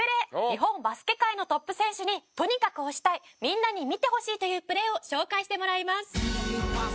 日本バスケ界のトップ選手にとにかく推したいみんなに見てほしいというプレーを紹介してもらいます。